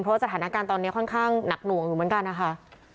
เพราะสถานการณ์ตอนนี้ค่อนข้างหนักหน่วงอยู่เหมือนกันนะคะ